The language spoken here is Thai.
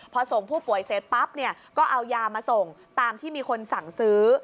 พอส่งผู้ป่วยเสร็จปั๊บเนี่ยก็เอายามาส่งตามที่มีคนสั่งซื้อ